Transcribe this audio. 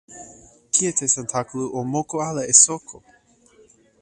kijetesantakalu o moku ala e soko!